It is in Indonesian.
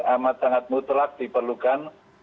amat sangat mutlak diperlukan